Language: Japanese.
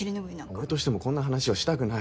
俺としてもこんな話はしたくない。